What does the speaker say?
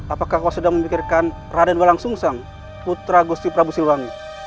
apakah kau sedang memikirkan raden walang sung sang putra gusti prabu silwangi